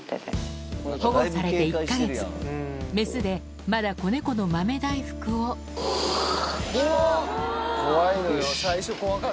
保護されて１か月メスでまだ子ネコの豆大福をよし。